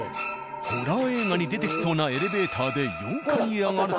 ホラー映画に出てきそうなエレベーターで４階へ上がると。